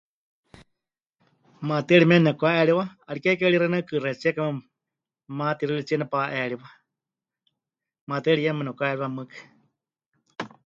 Maatɨari mieme nepɨkaha'eriwa, 'ariké ke rixɨa ne'ukɨɨxaitsíeka matixɨritsie nepa'eriwa, maatɨari yeme nepɨkaha'eriwa mɨɨkɨ.